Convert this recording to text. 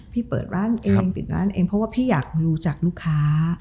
เปิดร้านเองปิดร้านเองเพราะว่าพี่อยากรู้จากลูกค้า